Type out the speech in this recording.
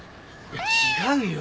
違うよ。